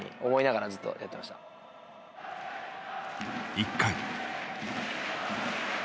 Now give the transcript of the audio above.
１回。